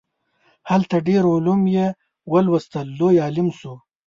هلته ډیر علوم یې ولوستل لوی عالم شو.